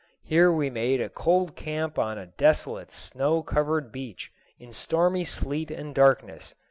Here we made a cold camp on a desolate snow covered beach in stormy sleet and darkness.